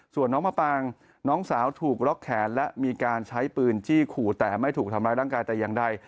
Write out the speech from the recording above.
ส่วนน้องมะปางน้องสาวถูกล็อกแขนและมีการใช้ปืนจี้ขู่แต่ไม่ถูกทำร้ายร่างกายแต่อย่างใด